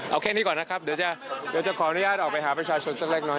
เอาแค่นี้ก่อนนะครับเดี๋ยวจะขออนุญาตออกไปหาประชาชนสักเล็กน้อย